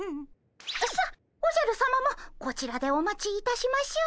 さあおじゃるさまもこちらでお待ちいたしましょう。